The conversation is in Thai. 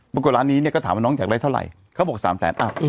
ปรากฏร้านนี้เนี่ยก็ถามว่าน้องอยากได้เท่าไหร่เขาบอก๓แสนอ้าว